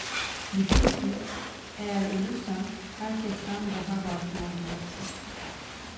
Düşün ki, eğer ölürsen herkesten daha hakim olacaksın…